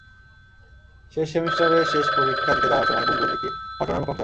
শেষ সেমিস্টারের শেষ পরীক্ষা দিতে যাওয়ার সময় বুলবুল একটি ঘটনার মুখোমুখি হয়।